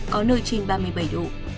có nơi trên ba mươi bảy độ